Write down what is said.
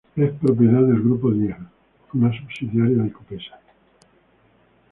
Es propiedad del Grupo Dial, una subsidiaria de Copesa.